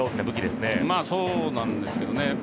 まあ、そうなんですけどね。